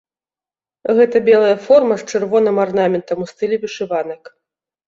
Гэта белая форма з чырвоным арнаментам у стылі вышыванак.